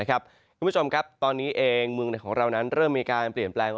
คุณผู้ชมครับตอนนี้เองเมืองของเรานั้นเริ่มมีการเปลี่ยนแปลง